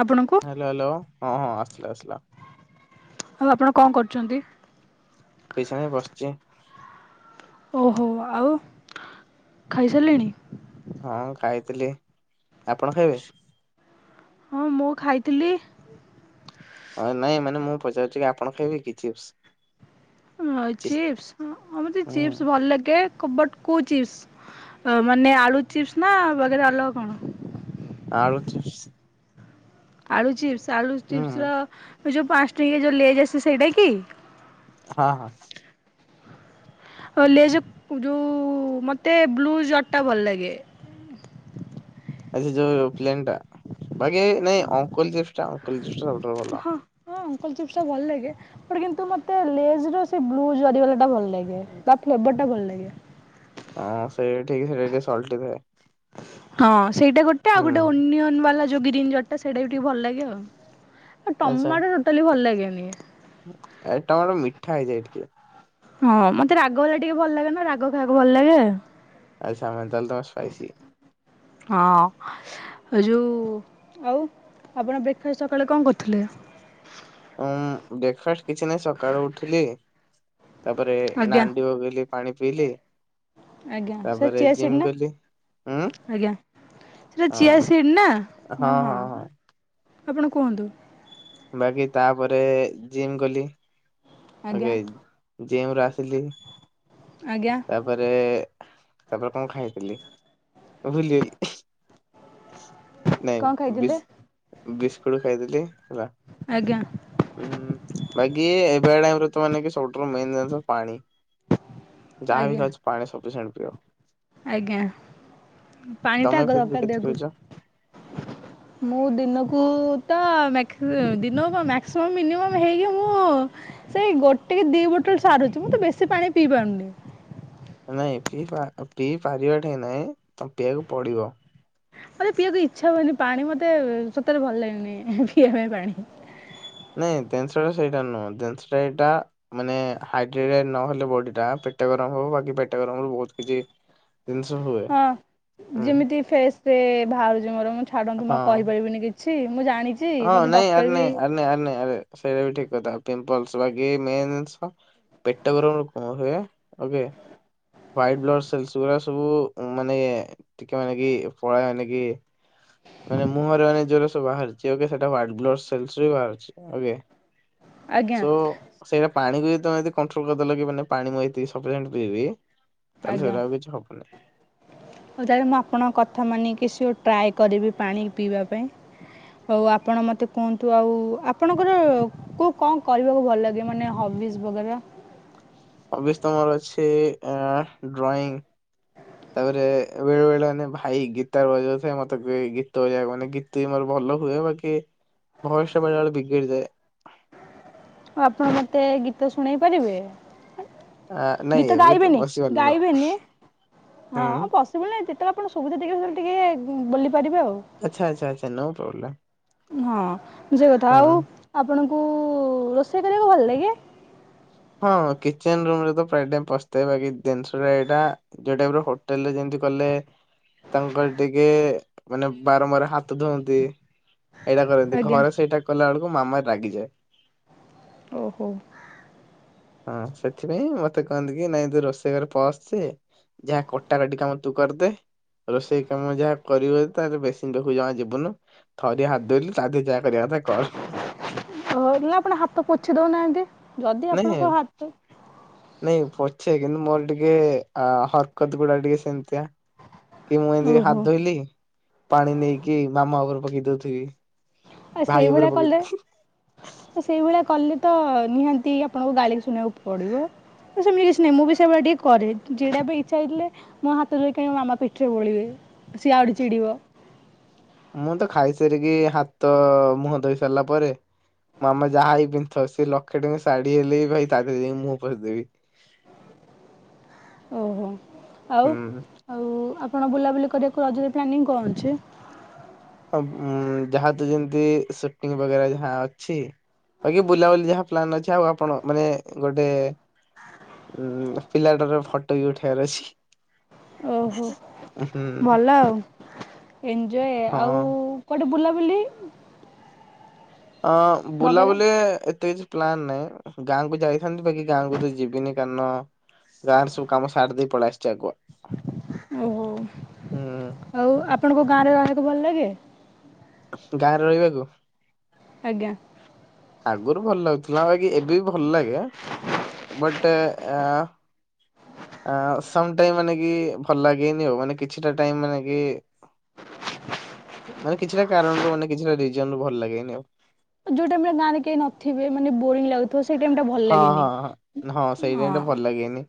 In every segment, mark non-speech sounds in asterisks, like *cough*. ଆପଣଙ୍କୁ hello, hello, ହଁ, ହଁ ଆସିଲା ଆସିଲା ଏବେ ଆପଣ କଣ କରୁଚନ୍ତି? କିଛି ନାଇ ବସିଚି। ଓହୋ ଆଉ ଖାଇସାରିଲେଣି? ହଁ ଖାଇଥିଲି। ଆପଣ ଖାଇବେ? ହଁ ମୁଁ ଖାଇଥିଲି। ଅ, ନାଇଁ ମାନେ ମୁଁ ପଚାରୁଚି କି ଆପଣ ଖାଇବେ କି ଚିପ୍ସ? ଅଁ, ଚିପ୍ସ ହଁ ମୋତେ ହୁଁ ଚିପ୍ସ ଭଲ ଲାଗେ କବାଟ କୋଉ ଚିପ୍ସ ଅ, ମାନେ ଆଳୁ ଚିପ୍ସ ନା ବଗେରା ଅଲଗା କଣ? ଆଳୁ ଚିପ୍ସ। ଆଳୁ ଚିପ୍ସ। ଆଳୁ ହୁଁ ଚିପ୍ସ ର ସେ ଯୋଉ ପାନ୍ସ ଟଙ୍କିଆ ଯୋଉ ଲେଜ୍ ଆସେ ସେଇଟା କି? ହଁ ହଁ। ଅ, ଲେଜ୍ ଯୋଉ ମୋତେ ବ୍ଲୁ ଜରିଟା ଭଲ ଲାଗେ। ଆଚ୍ଛା ଯୋଉ ପ୍ଲେନ୍ ଟା ବାକି ନାଇଁ ଅଙ୍କଲ୍ ଚିପ୍ସ ଟା ଅଙ୍କଲ୍ ଚିପ୍ସ ଟା ଭ ହଁ, ହଁ। ଅଙ୍କଲ୍ ଚିପ୍ସ ଟା ଭଲ ଲାଗେ ବଟ୍ କିନ୍ତୁ ମୋତେ ଲେଜ୍ ର ସେ ବ୍ଲୁ ଜରି ବାଲା ଟା ଭଲ ଲାଗେ ତା ଫ୍ଲେବର୍ ଟା ଭଲ ଲାଗେ। *inaudible* ହଁ ସେ ଠିକ୍ ସେଟା ଟିକେ ସଲ୍ଟି ଥାଏ। ହଁ ସେଇଟା ଗୋଟେ ଆଉ ହୁଁ ଗୋଟେ ଓନିଅନ୍ ବାଲା ଯୋଉ ଗ୍ରୀନ୍ ଜରିଟା ସେଇଟା ବି ଟିକେ ଭଲ ଲାଗେ ଆଉ। ଆଉ ଆଚ୍ଛା। ଟମାଟୋ ଟୋଟାଲି ଭଲ ଲାଗେ ନି ଏ ଟମାଟୋ ମିଠା ହେଇଯାଏ ଟିକେ। ହଁ ମୋତେ ରାଗ ବାଲା ଟିକେ ଭଲ ଲାଗେ ନା, ରାଗ ଖାଇବାକୁ ଭଲ ଲାଗେ। ଆଚ୍ଛା ଏମିତି ତାହେଲେ ତମେ ସ୍ପାଇସି। ହଁ ଯୋଉ ଆଉ ଆପଣ ବ୍ରେକଫାଷ୍ଟ ସକାଳେ କଣ କରିଥିଲେ? ଉଁ, ବ୍ରେକଫାଷ୍ଟ କିଛି ନାହିଁ ସକାଳୁ ଉଠିଲି ତାପରେ ଆଜ୍ଞା। ନାଣ୍ଡି ବଗୁଲୀ ପାଣି ପିଇଲି। ଆଜ୍ଞା ସେ ତାପରେ ଚିଆ ସିଡ୍ ଜିମ୍ ନା ଗଲି। ଉଁ ଆଜ୍ଞା ସେଟା ଚିଆ ହଁ ସିଡ୍ ନା ହଁ ହଁ। ଆପଣ କୁହନ୍ତୁ। ବାକି ତାପରେ ଜିମ୍ ଗଲି। ଆଜ୍ଞା। ଏବେ ଆଇ ଜିମ୍ ରୁ ଆସିଲି। ଆଜ୍ଞା। ତାପରେ ତାପରେ କଣ ଖାଇଥିଲି ଭୁଲିଗଲି ହିଁ। କଣ ନାଇଁ ବି ଖାଇଥିଲେ? ବି *unintelligible* ଖାଇଥିଲି। ହେଲା ଆଜ୍ଞା। ହୁଁ ମ୍ୟାଗି *unintelligible* ସବୁୁଠୁ ମେନ ଜିନିଷ ପାଣି। ଯାହା ବିି ଆଜ୍ଞା। ଖାଉଛି ପାଣି ସବୁ। ସେମିତି ଆଉ। ଆଜ୍ଞା। ପାଣିଟା ତମେ ଆଗ ଫିର ବି ଦରକାର କେତେ ଦେହକୁ ପିଉଛ? ମୁଁ ଦିନକୁ ତ ମାକ୍ସି ଦିନକୁ ମାକ୍ସିମମ ମିନିମମ୍ ହେଇକି ମୁଁ ସେଇ ଗୋଟେ କି ଦି ବୋଟଲ ସାରୁଛି ମୁଁ ତ ବେଶି ପାଣି ପିଇ ପାରୁନି। ନାଇଁ ପିଇ ପିଇ ପାରିବା ଟା ନାଇଁ ତମ ପିଇବାକୁ ପଡିବ ମତେ ପିଇବାକୁ ଇଚ୍ଛା ହୁଏନି ପାଣି ମତେ ସତରେ ଭଲ ଲାଗେନି ହିଁ ହିଁ ପିଇବା ପାଇଁ ପାଣି। ନାଇଁ ଜିନିଷ ଟା ସେଇଟା ନୁହଁ ଜିନିଷ ଟା ଏଇଟା ମାନେ ହାଇଡ୍ରେତେଡ ନହେଲେ ବଡି ଟା ଗରମ ହେବ ପେଟ ଗରମ ହବ ବହୁତ୍ କିଛି ଜିନିଷ ହୁଏ ହଁ ହୁଁ ଯେମିତି ଫେସରେ ଭାଉଜଙ୍କର ମୋର ଛାଡନ୍ତୁ ମୁଁ ହଁ। କହିପାରିବିନି କି ହଁ ନାଇଁ ଆରେ ନାଇଁ ଆର ନାଇ ଆର ନାଇଁ ଆରେ ସେଇଟା ବି ଠିକ କଥା ପିମ୍ପଲସ ବାକି ମେନ୍ ଜିନିଷ ପେଟ ଗର ହୁଏ ଓକେ ୱାୟେ ବ୍ଲଡ ସେଲ୍ସ ଗୁଡା ସବୁ ମାନେ ଟିକେ ମାନେ କି ପଳା ମାନେ କି ମାନେ ମୁହଁରେ ମାନେ ନିଜର ବାହାର ସେଟା ୱାନ ବ୍ଲଡ ସେଲସ ରୁ ହିଁ ବାହାରୁଚି ଓକେ। ଆଜ୍ଞା ସୋ ସେଇଟା ପାଣିବି। ତମେ ଯଦି କଣ୍ଟ୍ରୋଲ କରିଦେଲ କି ମାନେ ତମେ ପାଣି ଏତିକି ମୁ ସପିସିଏଣ୍ଟ ପିଇବି। ତାହେଲେ ଆଜ୍ଞା ସେଗୁରା ଆଉ କିଛି ହବନି। ହଉ ତାେଲେ ମୁଁ ଆପଣଙ୍କ କଥା ମାନି କିଛି ଗୋଟେ ଟ୍ରାଏ କରିବି ପାଣି ପିଇବା ପାଇଁ ଆଉ ଆପଣ ମୋତେ କୁହନ୍ତୁ ଆଉ ଆପଣଙ୍କର କୋଉ କଣ କରିବାକୁ ଭଲ ଲାଗେ ମାନେ ହବିଜ ବଗେରା? ହବିସ ତ ମୋର ଅଛି ଡ୍ରଇଂ ତାପରେ ବେଳେ ବେଳେ ମାନେ ଭାଇ ଗୀତ ବଜାଉଥାଏ ମତେ ଗୀତ ବଜେଇବାକୁ ମାନେ ଗୀତ ବି ମୋର ଭଲ ହୁଏ ବାକି ଭୟସ ବେଳେ ବେଳେ ବିଗିଡିଯାଏ। ଆ ଆପଣ ମତେ ଗୀତ ଶୁଣେଇ ପାରିବେ। ଆ ନାଇଁ ଗୀତ ଏବେ ତ ଗାଇବେନି ପସିବଲ ନୁହଁ ଗାଇବେନି ହୁଁ ହଁ ପସିବୁଲ ନାଇଁ ଯେତେବେଳେ ଆଣ ସୁବିଧା ଟିକେ ଟିକେ ବୋଲି ପାରିବେ ଆଉ ଆଚ୍ଛା ଆଚ୍ଛା ଆଛା ନୋ ପ୍ରୋବ୍ଲେମ୍। ହଁ। ବୁଝିବା କଥା ଆଉ ହଁ। ଆପଣ ଓ ଓ ରୋଷେଇ କରିବାକୁ ଭଲ ଲାଗେ। ହଁ କିଚେନ ରୁମରେ ପ୍ରାୟ ଟାଇମ୍ ପସିଥାଏ ବାକି ଜିନିଷ ଏଟା ଯୋଉଟା ହୋଟେଲରେ ଯେମତି କଲେ ତାଙ୍କର ଟିକେ ମାନେ ବାରମ୍ବାର ହାତ ଧୁଅନ୍ତି। ଏଇଟା କରନ୍ତି ଆଜ୍ଞା ଘରେ ସେଇଟା କଲା ବେଲୁ ମୋ ମାମା ରାଗିଯଏ। ଓହୋ। ହଁ ସେଥିପାଇଁ ମୋତେ କହନ୍ତି କି ନାଇଁ ତୁ ରୋଷେଇ ଘରେ ପସେ, ଯାହା କଟାକଟି କାମ ତୁ କରିଦେ, ରୋଷେଇ କାମ ଯାହା କରିବ ତାଲେ ବେସିନ୍ ପାଖକୁ ଜମା ଯିବୁନୁ, ଥରିଏ ହାତ ଧୋଇଲୁ ତା ଦେହେ ଯା ମୁଁ କହିଲି ନା ଆପଣ ହାତ ପୋ ଛି ଦଉ ନାହାଁନ୍ତି। ନାହିଁ ନାଇଁ ପଛେ କିନ୍ତୁ ମୋର ଟିକେ ଆ, ହରକତ ଗୁଡା ଟିକେ ସେମିତିଆ। କି ମୁଁ ଏମିତି ଓହୋ ହାତ ଧୋଇଲି ପାଣି ନେଇକି ମାମା ଉପରୁ ପକେଇ ଦୋଉଥିବି। ଏ ସେଇଭଳିଆ କଲେ ତ ସେଇଭଳିଆ କଲେ ତ ନିହାତି ଆପଣଙ୍କୁ ଗାଳି ଶୁଣିବାକୁ ପଡିବ, ତ ସେମିତି କିଛି ନାହିଁ ମୁଁ ବି ସେଇଭଳିଆ ଟିକେ କରେ, ଯେଟା ପାଇଁ ଇଚ୍ଛା ହେଇଥିଲେ ମୋ ହାତ ଧୋଇକି କାଇଁ ମାମା ପିଠିରେ ବୋଳିବେ, ସିଏ ଆହୁରି ଚିଡିବ। ମୁଁ ତ ଖାଇସାରିକି ହାତ ମୁହଁ ଧୋଇ ସାରିଲା ପରେ ମାମା ଯାହା ବି ପିନ୍ଧିଥାଉ ସେ ଲକ୍ଷେ ଟଙ୍କିଆ ଶାଢୀ ହେଲେ ବି ଭାଇ ତା ଦେହରେ ଯାଇକି ମୁହଁ ପୋଛିଦେବି। ଓହୋ। ଆଉ ହୁଁ। ଆଉ ଆ କଣ ବୁଲାବୁଲି କରିବାକୁ ରଜରେ ପ୍ଲାନିଙ୍ଗ କଣ ଅଛି? ଆଉ ଉଁ, ଯାହା ତୁ ଯେମିତି ସେଟିଙ୍ଗ ବଗେର ଯାହା ଅଛି ବାକି ବୁଲାବୁଲି ଯାହା ପ୍ଲାନ୍ ଅଛି, ଆଉ ଆପଣ ମାନେ ଗୋଟେ ଉଁ ପିଲାଟାର ଫଟୋ ବି ଉଠେଇବାର ଅଛି। ଓହୋ ହୁଁ ଭଲ ଆଉ ଏନଞ୍ଜୟ ଆଉ ହଁ। କୁଆଡେ ବୁଲାବୁଲି ଅଁ, ବଗେରା ବୁଲାବୁଲି ଏତେ କିଛି ପ୍ଲାାନ୍ ନାଇଁ ଗାଁକୁ ଯାଇଥାନ୍ତି, ବାକି ଗାଁକୁ ତ ଯିବିନି କାରଣ ଗାଁ ରେ ସବୁ କାମ ସାରିଦେଇ ପଳେଇ ଆସିଚି ଆଗୁଆ। ଓହୋ ହୁଁ ଆଉ ଆପଣଙ୍କୁ ଗାଁ ରେ ରହିବାକୁ ଭଲ ଲାଗେ? ଗାଁରେ ରହିବାକୁ। ଆଜ୍ଞା। ଆଗରୁ ଭଲ ଲାଗୁଥିଲା ବାକି ଏବେ ବି ଭଲ ଲାଗେ, ବଟ୍ ଏଆ ଆ, ସମ ଟାଇମ୍ ମାନେ କି ଭଲ ଲାଗେନି ଆଉ, ମାନେ କିଛିଟା ଟାଇମ୍ ମାନେ କି ମାନେ କିଛିଟା କାରଣରୁ ମାନେ କିଛି ଟା ରିଜନ୍ ରୁ ଭଲ ଲାଗେନି ଆଉ। ଯୋଉ ଟାଇମ୍ ରେ ଗାଁରେ କେହି ନଥିବେ ମାନେ ବୋରିଂ ଲା ହଁ, ହଁ, ହଁ, ନ-ହଁ ସେଇ ପାଇଁ ତ ହଁ ଭଲ ଲାଗେନି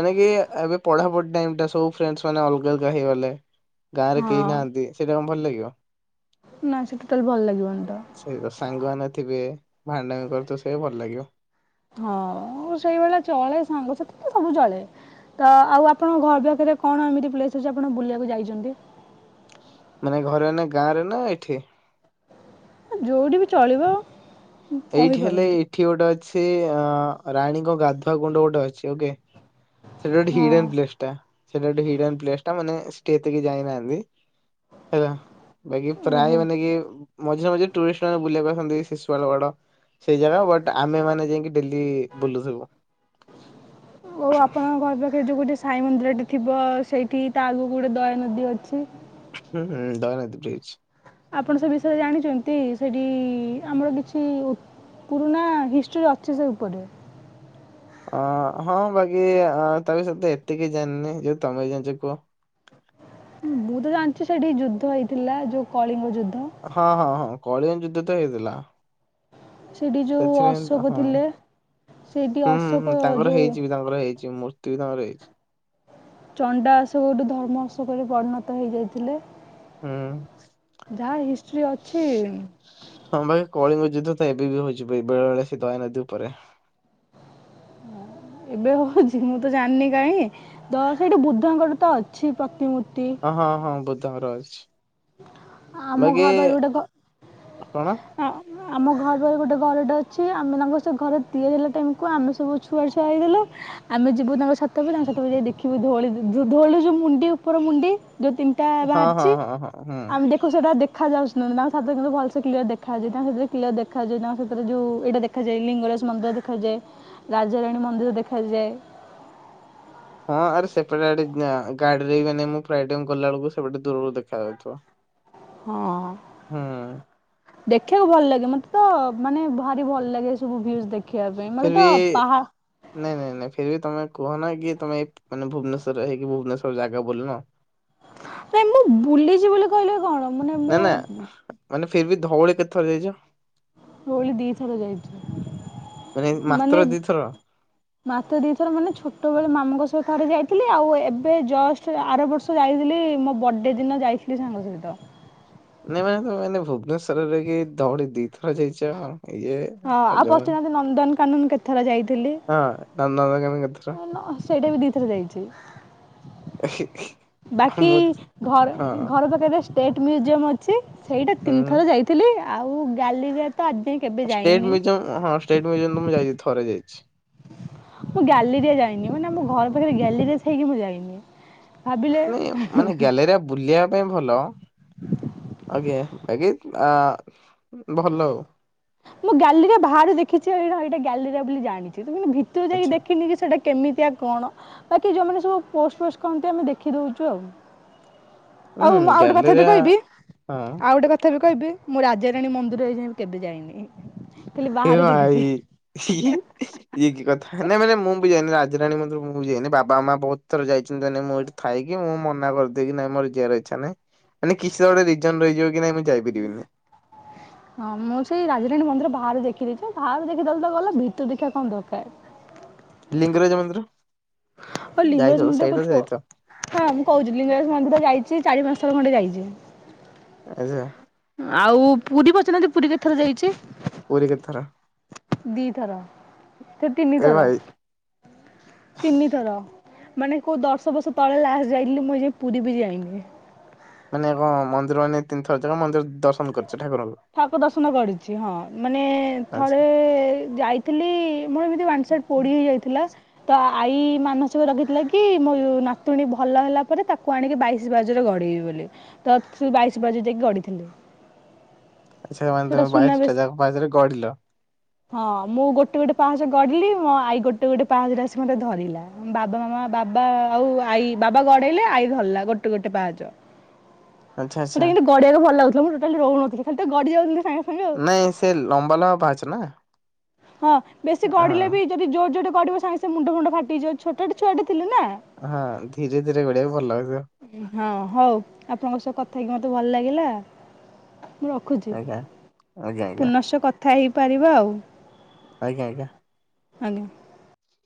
ମାନେ କି ଏବେ ପଢାପଢି ଟାଇମ୍ ଟା ସବୁ ଫ୍ରେଣ୍ଡସ୍ ମାନେ ଅଲଗା ଅଲଗା ହେଇଗଲେ। ଗାଁରେ କେହି ହଁ ନାହାଁନ୍ତି ସେଇଟା କଣ ଭଲ ଲାଗେ। ନା ସେ ଟୋଟାଲ ଭଲ ଲାଗିବନି ତ କିଅ ସେଇ ତ ସାଙ୍ଗମାନେ ଥିବେ। ଭାଣ୍ଡାମି କରୁଥୁବୁ ସେ ଭଲ ଲାଗିବ। ହଁ ସେଇଭଳିଆ ଚଳେ ସାଙ୍ଗ ସାଥୀ ତ ସବୁ ଚଳେ ତ ଆଉ ଆପ ଆପଣଙ୍କ ଘର ପାଖରେ କଣ ଏମିତି ପ୍ଲେସ୍ ଅଛି ଆପଣ ବୁଲିବାକୁ ଯାଇଚନ୍ତି। ମାନେ ଘରେ ନା ଗାଁରେ ନା ଏଠି। ହଁ ଯୋଉଠି ବି ଚଳିବ। ଏଇଠି ହେଲେ କହିପାରନ୍ତି ଏଠି ଗୋଟେ ଅଛି ଠୀ ଆଁ ରାଣୀଙ୍କ ଗାଧୁଆ କୁଣ୍ଡ ଗୋଟେ ଅଛି ଓକେ। ସେଟା ଗୋଟେ ହଁ ହିଡେନ୍ ପ୍ଲେସ ତ ସେଟା ଗୋଟେ ହିଡେନ ପ୍ଲେସ ଟା ମାନେ। ଷ୍ଟି ଏତିକି ଯାଇନାହାନ୍ତି ହେଲା ବାକି ପ୍ରାୟ ଓହୋ ମାନେ କିଏ ମଝେରେ ମଝି ଟୁରିଷ୍ଟ ମାନେ ବୁଲିବାକୁ ଆସ ଶିଶୁଳ ବାଡ଼ ସେଇ ଜାଗା ବଟ ଆମେ ମାନେ ଯାଇକି ଡେଲି ବୁଲୁ ଥିଲୁ। ଆଉ ଆପଣଙ୍କ ଘର ପାଖରେ ଯୋଉ ଗୋଟେ ସାଇ ମନ୍ଦିର ଟି ଥିବ ସେଇ ଠି ତା ଆଗକୁ ଗୋଟେ ଦୟାାନଦୀ ଅଛି। ହୁଁଁ ଦୟାନଦୀ ବ୍ରିଜ। ଆପଣ ସେ ବିଷୟରେ ଜାଣିଛନ୍ତି ସେଠି ଆମର କିଛି ପୁରୁଣା ହିଷ୍ଟ୍ରୀ ଅଛି ସେ ଉପରେ ଅ ହଁ ବାକି ତା ବି ସହିତ ଏତିକି ଜାଣିନି ଯୋଉ ତମେ ଜାଣିଛ କୁହ। ମୁଁ ତ ଜାଣିଛିି ସେଠି ଯୁଦ୍ଧ ହେଇଥିଲା ଯୋଉ କଳିଙ୍ଗ ଯୁ ହଁ ହଁ ହଁ କଳିଙ୍ଗ ଯୁଦ୍ଧତ ହେଇଥିଲା। ସେଠି ଯୋଉ ସେଥିପାଇଁ ତ ଅଶୋକ ହଁ। ଥିଲେ ସେଇଠି ହୁଁ ହୁଁ ହୁଁ ଅଶୋକ ତାଙ୍କର ଯୋଉ ହେଇଛି ବି ତାଙ୍କର ହେଇଛି ମୂର୍ତ୍ତି ବି ତାଙ୍କର ହେଇଛି। ଚଣ୍ଡା ଆଶୋକ ରୁ ଧର୍ମ ଅଶୋକରେ ପରିଣତ ହେଇଯାଇଥିଲେ। ହୁଁ। ଶ୍ରୀ ଅଛି। ହଁ ବାକି କଳିଙ୍ଗ ଯୁଦ୍ଧ ତ ଏବେ ବି ହଉଛିି ବେଳେ ବେଳେ ସେ ଦୟା ନଦୀ ଉପରେ। ଏବେ ହଉଛି ମୁଁ ତ ଜାଣିନି କାହିଁ ତ ସେଇଠୁ ବୁଦ୍ଧଙ୍କର ତ ଅଛି ପ୍ରତିମୂର୍ତ୍ତି। ହଁ ହଁ ହଁ ହଁ ବୁଦ୍ଧ ଙ୍କର ଅଛି। *unintelligible* ଆମ ବାକି ଘର ଗୋଟେ କଣ ହ। ଆମ ଘର ପରେ ଗୋଟେ ଘରଟେ ଅଛି ଆମେ ତାଙ୍କ ସେ ଘରେ ତିଆରି ହେଲା ଟାଇମ୍ କକୁ ଆମେ ସବୁ ଛୁଆ ଛୁଆ ହେଇଗଲୁ ଆମେ ଯିବୁ ତାଙ୍କ ଛାତକୁ ତାଙ୍କ *unintelligible* କୁ ଯାଇ ଦେଖିବୁ ଧଉଳି ଧୋଉଳିୁ ଯେଉଁ ମୁଣ୍ଡି ଉପର ମୁଣ୍ଡି ଯୋଉ ତିନିଟା ହଁ ହଁ ବାହାରିଛି ହଁ ହଁ ହୁଁ। ଆମେ ଦେଖୁ ସେଟା ଦେଖ ଦେଖାଯାଉଛି କି ନା ତାଙ୍କ ଛାତ ଉପରୁ ଭଲ ସେ କ୍ଲିୟର ଦେ ଦେଖାଯାଏ ତାଙ୍କ ସାଥିରେ କିଲ ଦେଖାଯାଏ ତାଙ୍କ ସାଥିରେ ଯୋଉ ଏଇଟା ଦେଖାଯାଏ ଲିଙ୍ଗରାଜ ମନ୍ଦିର ଦେଖାଯାଏ ରାଜାରାଣୀ ମନ୍ଦିର ଦେଖାଯାଏ ହଁ ଆରେ ସେପଟେ ଆଡ଼େ ଗା ଗାଡ଼ିରେ ମାନେ ମୁଁ ଗଲାବେଳକୁ ସେପଟେ ଦୂରରୁ ଦେଖା ଯାଉଥିବ। ହଁ। ହୁଁ ଦେଖିବାକୁ ଭଲ ଲାଗେ ମତେ ତ ମାନେ ଭାରି ଭଲ ଲାଗେ ସବୁ ଭି ଫିରବି ନାଇଁ ନାଇଁ ନାଇଁ ଫିରବି ତମେ କୁହ ନା କି ତମେ ମାନେ ଭୁବନେଶ୍ୱର ହେଇକି ଭୁବନେଶ୍ଵର ଜାଗା ବୋଲିନ। ଏ ମୁଁ ବୁଲିଛି ବୋଲି କହିଲି କଣ। ମାନେ ନା ମୁଁ ନା ମାନେ ଫେର ବି ଧଉଳି କେତ ଥର ଯାଇଛ? ଧଉଳି ଦିଥର ଯାଇଚି, ମାନେ ମାତ୍ର ଦିଥର? ମାତ୍ର ଦିଥର ମାନେ ଛୋଟ ବେଳେ ମାମୁଙ୍କ ଥରେ ଯାଇଥିଲି ଆଉ ଏବେ ଜଷ୍ଟ ଆର ବର୍ଷ ଯାଇଥିଲି ମୋ ବର୍ଥଡ଼େ ଦିନ ଯାଇଥିଲି ସାଙ୍ଗ ସହିତ। ନାଇଁ ମାନେ ତ ମାନେ ଭୁବନେଶ୍ଵରରେ କି ଧଉଳି ଦିଥର ଯାଇଛ। ଇଏ ହଁ ଆଉ ଅଜବ। ପଚାରନ୍ତୁ ନନ୍ଦନ କାନୁନ କେତେ ଥର ଯାଇଛି ଥିଲି ହଁ ନନ୍ଦନକାନନ କେତେଥର? ଆଁ ସେଇଟା ବି ଦିଥର ଯାଇଛି। ଏହି ହି ବାକି ଘର ଘର ପାଖେ ରେଷ୍ଟ୍ ଷ୍ଟେଟ୍ ମ୍ୟୁଜିୟମ୍ ଅଛି। ସେଇଟା ତିନି ହୁଁ। ଥର ଯାଇଥିଲି ଆଉ ଗ୍ୟାଲେରୀଆ ହଁ ଷ୍ଟେଟ୍ ମ୍ୟୁଜିୟମ୍ ହଁ ଷ୍ଟେଟ୍ ମ୍ୟୁଜିୟମ୍ ତ ମୁଁ ଯାଇଛି ଥରେ କରାଯାଇଛି। ମୁଁ ଗ୍ୟାଲେରିଆ ଯାଇନି ମାନେ ଆମ ଘର ପାଖରେ ଗ୍ୟାଲେରିଆ ଥାଇକି ମୁଁ ଯାଇନି। ଭାବିଲେ ନାଇଁ ମାନେ ଗ୍ୟାଲେରିଆ ବୁଲିବା ପାଇଁ ଭଲ ଆଜ୍ଞା ତାଗିଦ୍ ଆ ଭଲ ଆଉ। ମୁଁ ଗ୍ୟାଲେରୀଆ ବାହାରୁ ଦେଖିଛି ଏଇଟା ଏଇଟା ଗ୍ୟାଲେରୀଆ ବୋଲି ଜାଣିଛି। କିନ୍ତୁ ଭିତରକୁ ଯାଇକି ଆଚ୍ଛା ଦେଖିନିକି ସେଟା କେମିତିଆ କଣ ବାକି ଯୋଉମାନେ ସବୁ ପୋଷ୍ଟ ଫୋଷ୍ଟ କରନ୍ତି ଆମେ ଦେଖିଦଉଛୁ ଆଉ। ହୁଁ ଆଉ ମୁଁ ଆଉ ଗୋଟେ କଥା ଗ୍ୟାଲେରିଆ ବି କହିବି ହଁ ଆଉ ଗୋଟେ କଥା ବି କ କହିବି ମୁଁ ରାଜାରାଣୀ ମନ୍ଦିର ଏଇ ଯାଏ ବି କେବେ ଯାଇନି। ଖାଲି ଏ ବାହାରୁ ଭାଇ ଦେଖିଛି। ଇଏ ଇଏ କି କଥା। ନାଇଁ ମାନେ ମୁଁ ବି ଯାଇନି ରାଜରାଣୀ ମନ୍ଦିର ମୁଁ ବି ଯାଇନି ବାବା ମାମା ବହୁତ ଥର ଯାଇଛନ୍ତିମାନେ ମୁଁ ଏଇଠି ଥାଇକି ମୁଁ ମନା କରିଦିଏ କି ନାଇଁ ମୋର ଯିବାର ଇଚ୍ଛା ନାହିଁ ମାନେ କିଛି ତ ଗୋଟେ ରିଜନ ରହିଯିବ କି ନାଇଁ ମୁଁ ଯାଇପାରିବିନି। ହଁ ମୁଁ ସେଇ ରାଜାରାଣୀ ମନ୍ଦିର ବାହାରେ ଦେଖିଦେଇଛି ବାହାରେ ଦେଖିଦଲେ ତ ଗଲା ଭିତର ଦେଖିବା କଣ ଦରକାର। ଲିଙ୍ଗରାଜ ମନ୍ଦିର? ଆଉ ଯାଇଥିବ ଲିଙ୍ଗରାଜ ତ ମନ୍ଦିର ସେଇଟା ତ ଯାଇଥିବ କଣ ହଁ ମୁଁ କହୁଛି ଲିଙ୍ଗରାଜ ମନ୍ଦିର ଯାଇଛି ଚାରି ପାଞ୍ଚ ଥର ଖଣ୍ଡେ ଯାଇଛି। ଆଜି ଆଚ୍ଛା। ଆଉ ପୁରୀ ପଚାରୁନାହାଁନ୍ତି ପୁରୀ କେତେ ଥର ଯାଇଛି। ପୁରୀ କେତେଥର? ଦି ଥର। ସେ ତିନି ଏ ଥର ଭାଇ ତିନି ଥର ମାନେ କୋଉ ଦଶ ବର୍ଷ ତଳେ ଲାଷ୍ଟ ଯାଇଥିଲି। ମୁଁ ଏଯାଏ ପୁରୀ ବି ଯାଇନି। ମାନେ କଣ ମନ୍ଦିର ମାନେ ତିନିଥର ଯାକ ମନ୍ଦିର ଦର୍ଶନ କଲ ଠାକୁର ଦର୍ଶନ କରିଛି ହଁ ମାନେ ଆଚ୍ଛା ଥରେ ଯାଇ ଥିଲି ମୋର ଏମିତି ୱାନ୍ ସାଇଡ଼ ପୋଡି ହେଇ ଯାଇଥିଲା ତ ଆଈ ମାନସିକ ରଖିଥିଲା କି ମୋ ନାତୁଣୀ ଭଲ ହେଲା ପରେ ତାକୁ ଆଣିକି ବାଇଶି ପାହାଚରେ ଗଡ଼େଇବି ବୋଲି ତ ସେ ବାଇଶି ପାହାଚରେ ଯାଇକି ଗଡ଼ିଥିଲି। ଆଚ୍ଛା ତ ସେଇଟା ସୁନାବେଶ ବାଇଶିଟା ଯାକ ପାହାଚରେ ଗଡ଼ିଲ। ହଁ ମୁଁ ଗୋଟେ ଗୋଟେ ପାହାଚ ଗଡିଲି ମୋ ଆଈ ଗୋଟେ ଗୋଟେ ପାହାଜରେ ଆସି ମତେ ଧରିଲା ବାବା ମ ବାବା ଆଉ ଆଈ ବାବା ଗଡେଇଲେ ଆଈ ଧରିଲା ଗୋଟେ ଗୋଟେ ପାହାଚ। ଆଚ୍ଛା ମୋତେ ଆଚ୍ଛା। କିନ୍ତୁ ଗଡି ବାକୁ ଭଲ ଲାଗୁଥିଲା। ରହୁନଥିଲି ଖାଲି ତ ଗ। ଯାଉଛନ୍ତି ସାଙ୍ଗ ନାଇଁ ସେ ଲମ୍ବା ଲମ୍ବା ପାହାଚ ନା। ହଁ ବେଶି ଗଡିଲେ ହଁ ବି ଯଦି ଜୋ ଯୋଉଠି ଗଡିବ ସାଙ୍ଗେ ମୁଣ୍ଡ ମୁଣ୍ଡ ଫାଟିଯିବ ଛୋଟ ଟେ ଛୁଆଟେ ଥି ଥିଲୁନା ହଁ ଧୀରେ ଧୀରେ ଗଡିବାକୁ ଭଲ ଲାଗିବ ହଁ ହଉ ଆପଣଙ୍କ ସହ କ ମତେ ଭଲ ଲାଗିଲା। ମୁଁ ରଖୁଛି ଆଜ୍ଞା ଆଜ୍ଞା ଆଜ୍ଞା ପୁନଶ୍ଚ କ କଥା ହେଇପାରିବା ଆଉ। ଆଜ୍ଞା ଆଜ୍ଞା। ଆଜ୍ଞା।